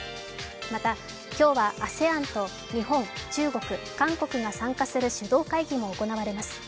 また今日はＡＳＥＡＮと日本、中国、韓国が参加する首脳会議も行われます。